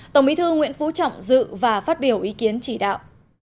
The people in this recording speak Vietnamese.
tổng bí thư nguyễn phú trọng dự và phát biểu ý kiến chỉ đạo